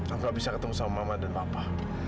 aku gak bisa ketemu sama mama dan papa